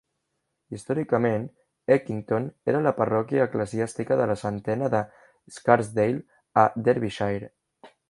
Històricament, Eckington era la parròquia eclesiàstica de la centena de Scarsdale a Derbyshire.